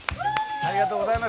ありがとうございます。